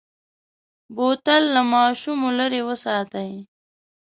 بوتل له ماشومو لرې وساتئ.